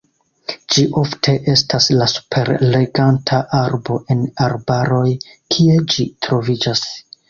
Ĝi ofte estas la superreganta arbo en arbaroj kie ĝi troviĝas.